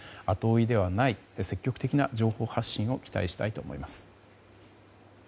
後追いではない積極的な情報発信を期待したいと思います。